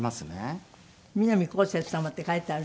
「南こうせつ様」って書いてある。